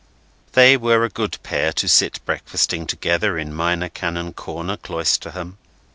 They were a good pair to sit breakfasting together in Minor Canon Corner, Cloisterham.